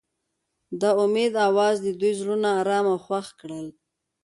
د امید اواز د دوی زړونه ارامه او خوښ کړل.